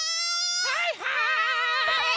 はいはい！